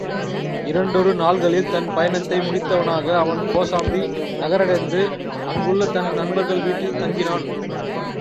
இரண்டொரு நாள்களில் தன் பயணத்தை முடித்தவனாக அவன் கோசாம்பி நகரடைந்து, அங்குள்ள தன் நண்பர்கள் வீட்டில் தங்கினான்.